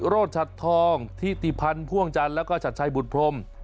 โรชัดทองทิติพันธ์พ่วงจันทร์แล้วก็ชัดชัยบุตรพรม